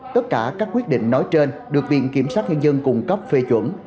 tất cả các quyết định nói trên được viện kiểm sát nhân dân cung cấp phê chuẩn